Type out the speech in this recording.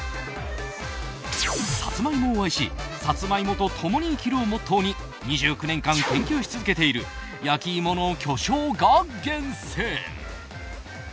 サツマイモを愛し、サツマイモと共に生きるをモットーに２９年間研究し続けている焼き芋の巨匠が厳選。